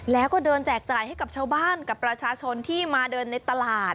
แล้วก็เดินแจกจ่ายให้กับชาวบ้านกับประชาชนที่มาเดินในตลาด